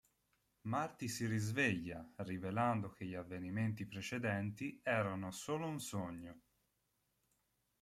Marty si risveglia, rivelando che gli avvenimenti precedenti erano solo un sogno.